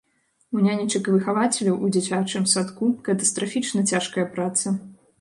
У нянечак і выхавацеляў ў дзіцячым садку катастрафічна цяжкая праца.